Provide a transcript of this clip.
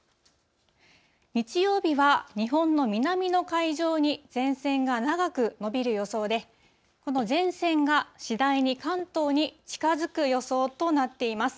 日曜日は、日本の南の海上に前線が長く延びる予想で、この前線が次第に関東に近づく予想となっています。